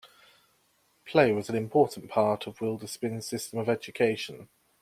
Play was an important part of Wilderspin's system of education.